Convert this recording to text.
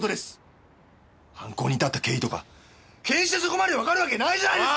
犯行に至った経緯とか検視でそこまでわかるわけないじゃないですか！